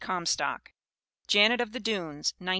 COMSTOCK Janet of the Dunes, 1908.